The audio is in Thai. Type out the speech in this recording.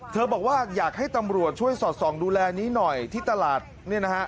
บอกว่าอยากให้ตำรวจช่วยสอดส่องดูแลนี้หน่อยที่ตลาดเนี่ยนะฮะ